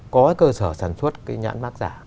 có cơ sở sản xuất cái nhãn mát giả